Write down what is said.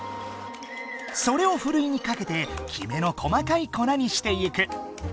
それをふるいにかけてきめの細かい粉にしていく。